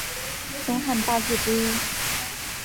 东汉八顾之一。